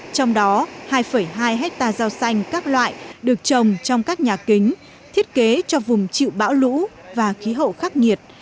trong đó hai hai hectare rau xanh các loại được trồng trong các nhà kính thiết kế cho vùng chịu bão lũ và khí hậu khắc nghiệt